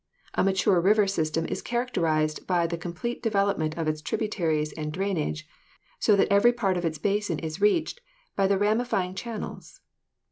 A mature river system is characterized by the complete development of its tributaries and drainage, so that every part of its basin is reached by the ramifying channels.